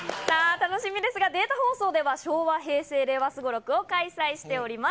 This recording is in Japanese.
楽しみですが、データ放送では、昭和、平成・令和すごろくを開催しております。